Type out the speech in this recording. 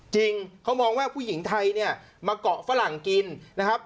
จริงเขามองว่าผู้หญิงไทยเนี่ยมาเกาะฝรั่งกินนะครับ